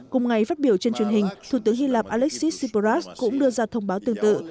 cùng ngày phát biểu trên truyền hình thủ tướng hy lạp alexis tipras cũng đưa ra thông báo tương tự